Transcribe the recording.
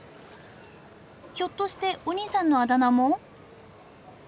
ひょっとしてお兄さんのあだ名も？